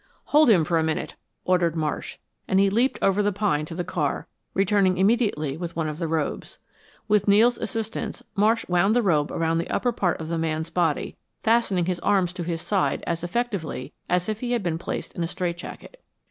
"Hold him for a minute," ordered Marsh, and he leaped over the pine to the car, returning immediately with one of the robes. With Nels' assistance Marsh wound the robe about the upper part of the man's body, fastening his arms to his side as effectively as if he had been placed in a straightjacket.